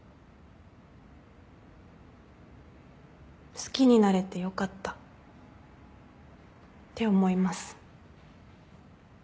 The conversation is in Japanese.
好きになれてよかったって思います。